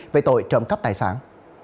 về tội trộm cắp tài sản